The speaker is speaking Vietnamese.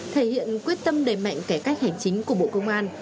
thể hiện quyết tâm đầy mạnh kẻ cách hành chính của bộ công an